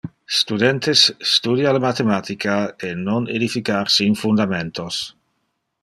Studentes, studia le mathematica e non edificar sin fundamentas.